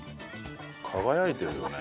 輝いてるよね。